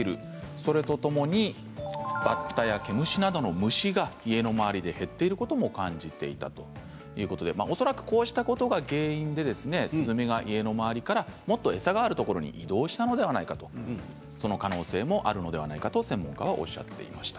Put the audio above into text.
それとともにバッタや毛虫などの虫が家の周りで減っていることも感じていたということで恐らくこうしたことが原因でスズメが家の周りからもっと餌のあるところに移動したのではないかと、その可能性もあるのではないかと専門家はおっしゃっていました。